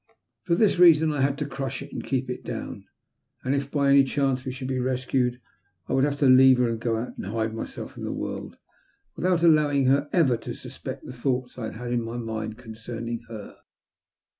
For this reason I had to crush it and keep it down ; and, if by any chance we should be rescued, I would have to leave her and go out to hide myself in the world without allowing her ever to suspect the thoughts I had had in my mind concerning her.